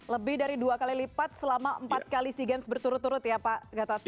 lebih dari dua kali lipat selama empat kali stigames berturut turut ya pak gatat